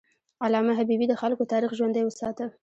علامه حبیبي د خلکو تاریخ ژوندی وساته.